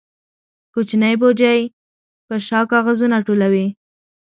کوچنی بوجۍ په شا کاغذونه ټولوي.